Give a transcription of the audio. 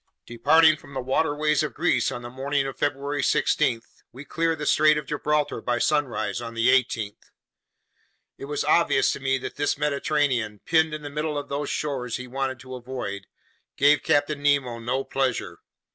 Departing from the waterways of Greece on the morning of February 16, we cleared the Strait of Gibraltar by sunrise on the 18th. It was obvious to me that this Mediterranean, pinned in the middle of those shores he wanted to avoid, gave Captain Nemo no pleasure.